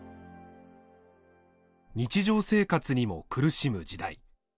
日常生活にも苦しむ時代。